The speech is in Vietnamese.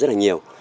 rất là nhiều